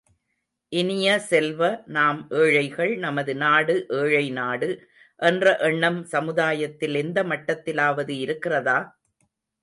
இனிய செல்வ, நாம் ஏழைகள், நமது நாடு ஏழை நாடு என்ற எண்ணம் சமுதாயத்தில் எந்தமட்டத்திலாவது இருக்கிறதா?